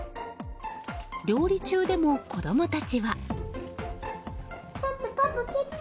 料理中でも子供たちは。